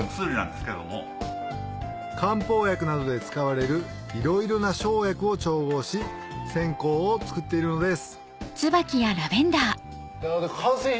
漢方薬などで使われるいろいろな生薬を調合し線香を作っているのです完成品